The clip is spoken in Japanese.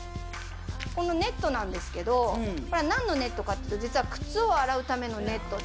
このネットなんですけど、これはなんのネットかっていうと、靴を洗うためのネットで。